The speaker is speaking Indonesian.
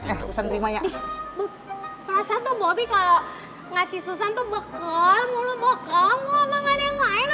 ya sendiri maya perasaan tuh bobby kalau ngasih susah tuh bekal mulut bokep ngomongan yang lain